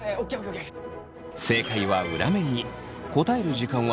正解は裏面に。